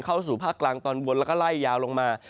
เข้าสู่ภาคกลางตอนบนแล้วก็ไล่ยาวลงมา